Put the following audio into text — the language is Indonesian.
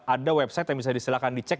ada website yang bisa disilakan dicek